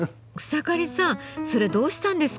草刈さんそれどうしたんですか？